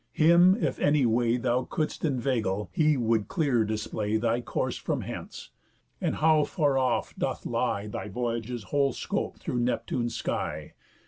Him, if any way Thou couldst inveigle, he would clear display Thy course from hence, and how far off doth lie Thy voyage's whole scope through Neptune's sky.